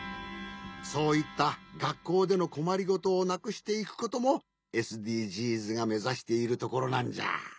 そういったがっこうでのこまりごとをなくしていくこともＳＤＧｓがめざしているところなんじゃ。